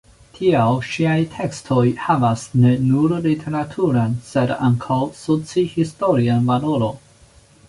Tial ŝiaj tekstoj havas ne nur literaturan sed ankaŭ soci-historian valoron.